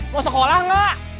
mau sekolah nggak